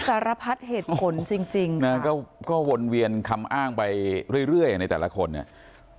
สารพัดเหตุผลจริงจริงนะก็ก็วนเวียนคำอ้างไปเรื่อยเรื่อยในแต่ละคนเนี่ย